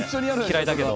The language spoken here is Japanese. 嫌いだけど。